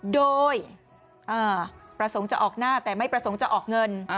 โดยประสงค์จะออกหน้าแต่ไม่ประสงค์จะออกเงิน